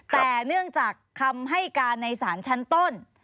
แต่เนื่องจากคำให้การในศาลชั้นต้น